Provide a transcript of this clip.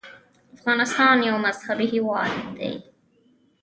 افغانستان یو مذهبي هېواد دی.